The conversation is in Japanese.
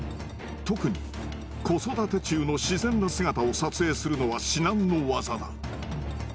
特に子育て中の自然の姿を撮影するのは至難の業だ。